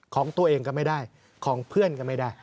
ของตัวเองก็ไม่ได้ของเพื่อนก็ไม่ได้